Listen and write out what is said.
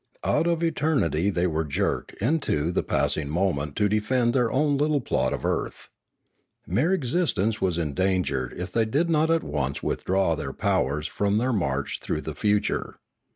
Out of eternity they were jerked into the passing moment to defend their own little plot of earth. Mere existence was endangered if they did not at once withdraw their powers from their march through the future.